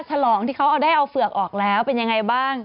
ฉลองที่เขาเอาได้เอาเฝือกออกแล้วเป็นยังไงบ้าง